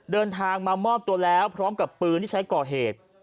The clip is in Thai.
เดินทางมามอบตัวแล้วพร้อมกับปืนที่ใช้ก่อเหตุ